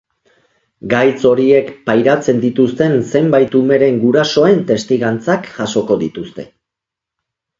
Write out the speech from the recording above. Gaitz horiek pairatzen dituzten zenbait umeren gurasoen testigantzak jasoko dituzte.